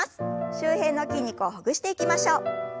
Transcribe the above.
周辺の筋肉をほぐしていきましょう。